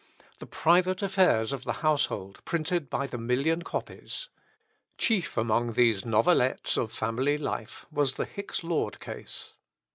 The private affairs of the household printed by the million copies. Chief among these novelettes of family life was the Hicks Lord case.